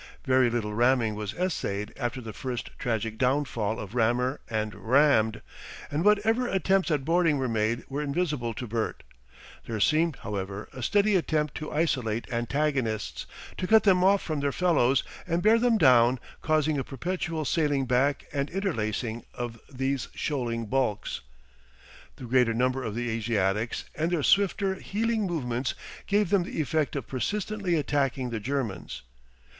Very little ramming was essayed after the first tragic downfall of rammer and rammed, and what ever attempts at boarding were made were invisible to Bert. There seemed, however, a steady attempt to isolate antagonists, to cut them off from their fellows and bear them down, causing a perpetual sailing back and interlacing of these shoaling bulks. The greater numbers of the Asiatics and their swifter heeling movements gave them the effect of persistently attacking the Germans.